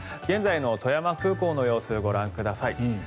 現在の富山空港の様子ご覧ください。